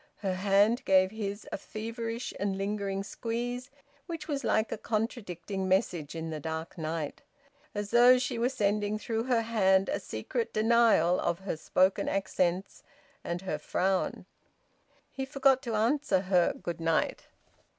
Her hand gave his a feverish and lingering squeeze, which was like a contradicting message in the dark night; as though she were sending through her hand a secret denial of her spoken accents and her frown. He forgot to answer her `good night.'